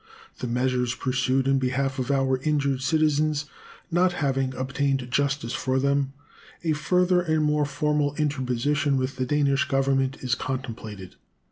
The measures pursued in behalf of our injured citizens not having obtained justice for them, a further and more formal interposition with the Danish Government is contemplated.